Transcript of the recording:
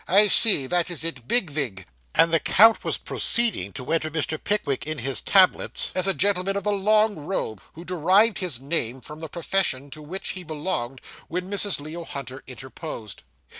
I see that is it. Big Vig' and the count was proceeding to enter Mr. Pickwick in his tablets, as a gentleman of the long robe, who derived his name from the profession to which he belonged, when Mrs. Leo Hunter interposed.